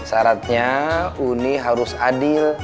syaratnya uni harus adil